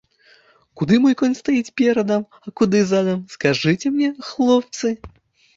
Куды мой конь стаіць перадам, а куды задам, скажыце мне, хлопцы?